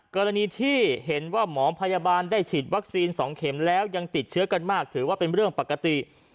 กรณีที่เห็นว่าหมอพยาบาลได้ฉีดวัคซีน๒เข็มแล้วยังติดเชื้อกันมากถือว่าเป็นเรื่องปกติ